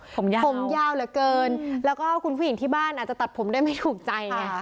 ผมยาวผมยาวเหลือเกินแล้วก็คุณผู้หญิงที่บ้านอาจจะตัดผมได้ไม่ถูกใจไง